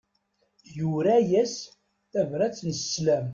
Yura-yas tabrat n sslam.